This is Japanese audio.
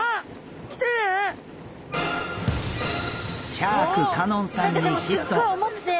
シャーク香音さんにヒット！